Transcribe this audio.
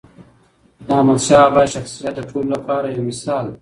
د احمدشاه بابا شخصیت د ټولو لپاره یو مثال دی.